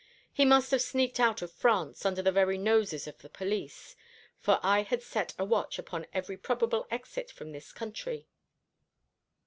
He must have sneaked out of France under the very noses of the police; for I had set a watch upon every probable exit from this country."